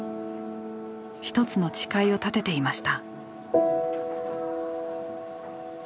一つの誓いを立てていました。